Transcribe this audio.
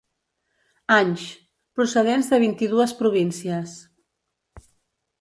Anys, procedents de vint-i-dues províncies.